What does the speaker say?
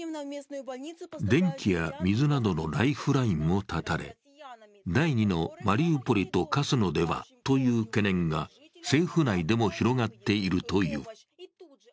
電気や水などのライフラインも絶たれ、第２のマウリポリと化すのではとの懸念が政府内でも広がっているという。